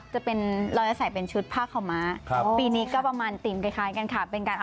ชนิดผ้าแปรงมีเอกลักษณ์